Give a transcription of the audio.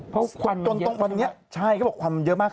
เพราะควันมันเยอะมากหรือเปล่าครับใช่เขาบอกว่าควันมันเยอะมาก